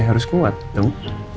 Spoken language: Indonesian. ya harus kuat dong